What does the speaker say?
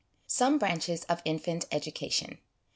Some Branches of Infant Education.